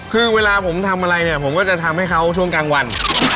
คือเวลาผมทำอะไรเนี่ยผมก็จะทำให้เขาช่วงกลางวัน